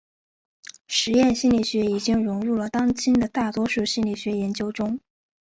实验心理学已经融入了当今的大多数心理学研究中。